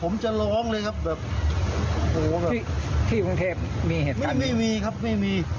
ไม่มีครับไม่มี